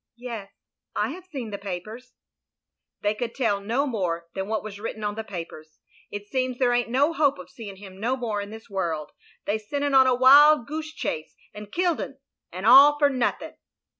"Yes, I have seen the papers." "They cotdd tell no more than was written on the papers. It seems there ain't no hope of seeing him no more in this world. They sent *un on a wild goose chase and killed 'un. And all for nothing."